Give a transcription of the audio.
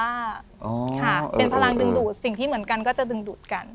ค่ะเป็นพลังดึงดูดสิ่งที่เหมือนกันก็จะดึงดูดกัน